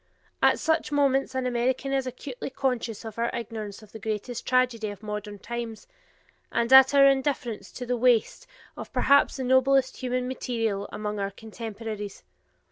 At such moments an American is acutely conscious of our ignorance of this greatest tragedy of modern times, and at our indifference to the waste of perhaps the noblest human material among our contemporaries.